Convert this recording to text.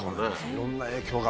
いろんな影響が。